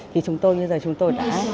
thì chúng tôi bây giờ chúng tôi đã